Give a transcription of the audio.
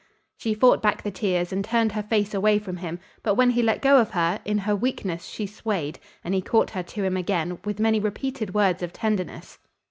She fought back the tears and turned her face away from him, but when he let go of her, in her weakness she swayed, and he caught her to him again, with many repeated words of tenderness.